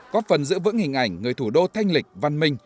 góp phần giữ vững hình ảnh người thủ đô thanh lịch văn minh